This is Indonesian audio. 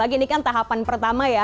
lagi ini kan tahapan pertama ya